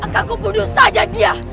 akan kubunuh saja dia